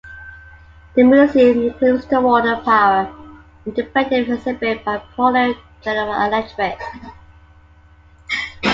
The museum includes a water power interpretive exhibit by Portland General Electric.